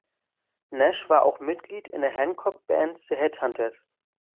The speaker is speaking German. Nash war auch Mitglied in der Hancock-Band The Headhunters.